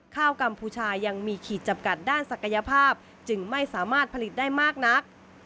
กัมพูชายังมีขีดจำกัดด้านศักยภาพจึงไม่สามารถผลิตได้มากนัก